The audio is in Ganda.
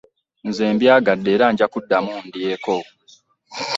Nze mbyagadde era nja kuddamu ndyeko.